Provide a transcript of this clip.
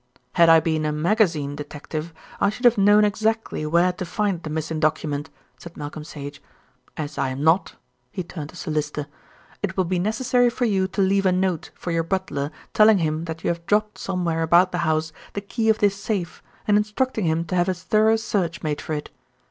"Had I been a magazine detective I should have known exactly where to find the missing document," said Malcolm Sage. "As I am not" he turned to Sir Lyster "it will be necessary for you to leave a note for your butler telling him that you have dropped somewhere about the house the key of this safe, and instructing him to have a thorough search made for it.